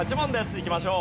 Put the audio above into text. いきましょう。